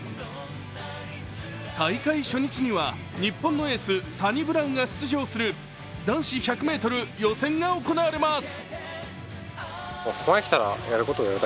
大会初日には日本のエース・サニブラウンが出場する男子１００ｍ予選が行われます。